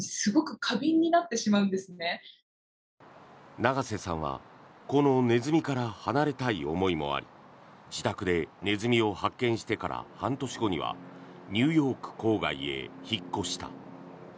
永瀬さんは、このネズミから離れたい思いもあり自宅でネズミを発見してから半年後にはニューヨーク郊外へ引っ越した。